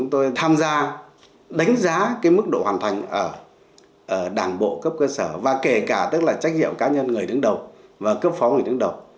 thành ở đảng bộ cấp cơ sở và kể cả tức là trách nhiệm cá nhân người đứng đầu và cấp phó người đứng đầu